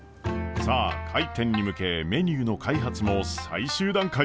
さあ開店に向けメニューの開発も最終段階。